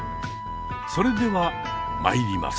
それではまいります。